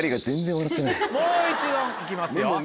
もう１問いきますよ。